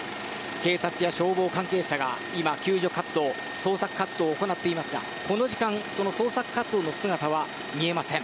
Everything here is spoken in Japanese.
警察や消防関係者が、救助活動捜索活動を行っていますがこの時間捜索活動の姿は見えません。